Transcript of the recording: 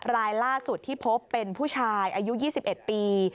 รายล่าสุดที่พบเป็นผู้ชายอายุ๒๑ปี